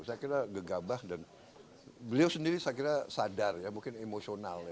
saya kira gegabah dan beliau sendiri saya kira sadar ya mungkin emosional ya